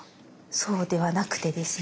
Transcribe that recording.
そうではなくてですね